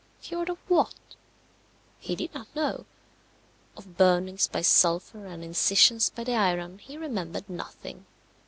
Cured of what? He did not know. Of burnings by sulphur and incisions by the iron he remembered nothing.